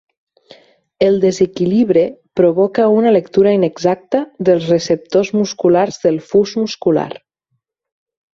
El desequilibre provoca una lectura inexacta dels receptors musculars del fus muscular.